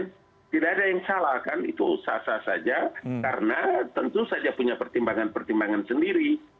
tidak ada yang salah kan itu sah sah saja karena tentu saja punya pertimbangan pertimbangan sendiri